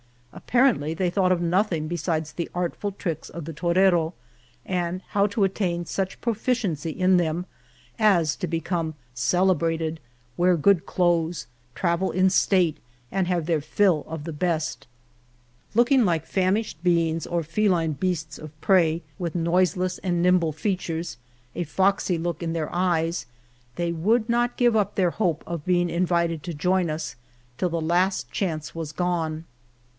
Apparently they thought of nothing besides the artful tricks of the torero, and how to attain such proficiency in them as to become celebrated, wear good clothes, travel in state, and have their fill of the best. Looking like famished beings or feline beasts of prey, with noiseless and nimble gestures, a foxy look in their eyes, they would not give up their hope of being invited to join us till the last chance was gone.